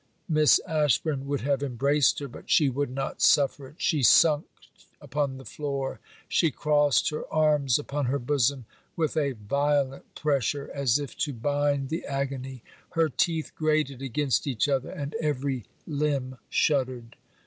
Miss Ashburn would have embraced her, but she would not suffer it. She sunk upon the floor. She crossed her arms upon her bosom, with a violent pressure, as if to bind the agony; her teeth grated against each other; and every limb shuddered.